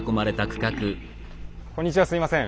こんにちはすいません。